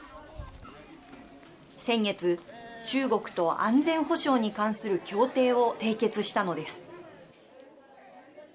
先月、中国と安全保障に関する協定を締結したのです。